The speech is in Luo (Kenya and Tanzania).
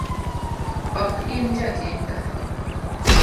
Ok in jakinda